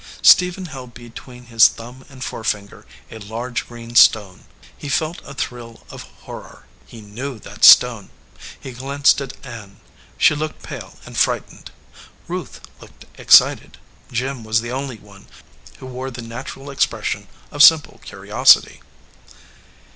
Stephen held be tween his thumb and forefinger a large, green stone. He felt a thrill of horror. He knew that stone. He glanced at Ann. She looked pale and frightened. Ruth looked excited. Jim was the only one who wore the natural expression of sim ple curiosity.